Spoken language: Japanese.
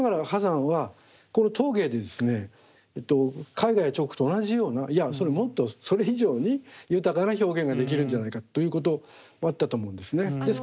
絵画や彫刻と同じようないやもっとそれ以上に豊かな表現ができるんじゃないかということもあったと思うんですね。